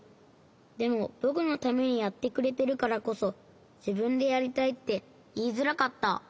でもぼくのためにやってくれてるからこそじぶんでやりたいっていいづらかった。